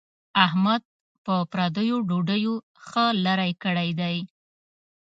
احمد په پردیو ډوډیو ښه لری کړی دی.